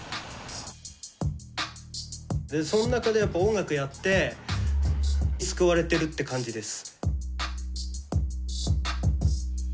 そんなかでやっぱ音楽やって救われてるって感じです。